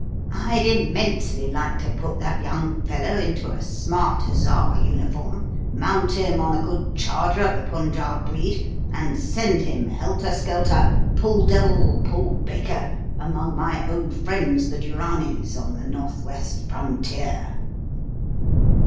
I'd immensely like to put that young fellow into a smart hussar uniform, mount him on a good charger of the Punjaub breed, and send him helter skelter, pull devil, pull baker, among my old friends the Duranis on the North West frontier."